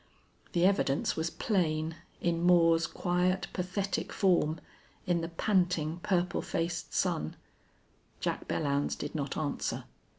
The evidence was plain, in Moore's quiet, pathetic form, in the panting, purple faced son. Jack Belllounds did not answer.